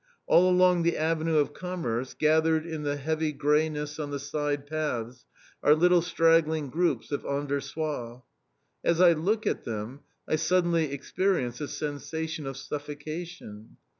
All along the Avenue de Commerce, gathered in the heavy greyness on the side paths, are little straggling groups of Anversois. As I look at them, I suddenly experience a sensation of suffocation.